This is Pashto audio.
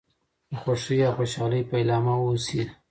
د خوښۍ او خوشحالی پيلامه اوسي .